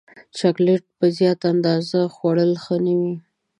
چاکلېټ په زیاته اندازه خوړل ښه نه دي.